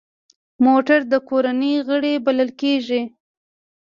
موټر د کورنۍ غړی بلل کېږي.